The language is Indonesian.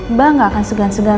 mbak gak akan segan segan